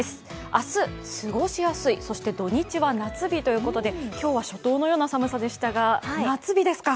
明日、過ごしやすいそして土日は夏日ということで今日は初冬のような寒さでしたが、夏日ですか。